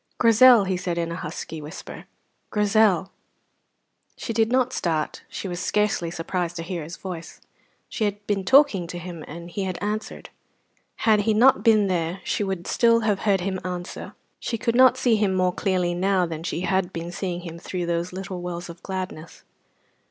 "Grizel," he said in a husky whisper, "Grizel!" She did not start; she was scarcely surprised to hear his voice: she had been talking to him, and he had answered. Had he not been there she would still have heard him answer. She could not see him more clearly now than she had been seeing him through those little wells of gladness.